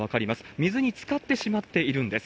水につかってしまっているんです。